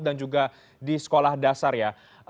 dan juga di sekolah dasar ya